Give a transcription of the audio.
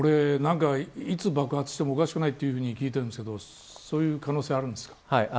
いつ爆発してもおかしくないと聞いてるんですけどそういう可能性はあるんですか。